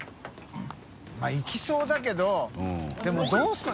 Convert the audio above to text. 泙いきそうだけどでもどうする。